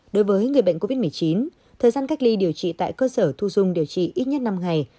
đối với người bệnh covid một mươi chín thời gian cách ly điều trị tại cơ sở thu dung điều trị ít nhất năm ngày